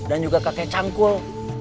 dan juga kakek canggul